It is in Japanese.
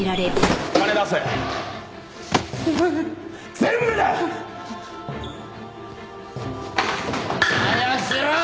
全部だ！早くしろ！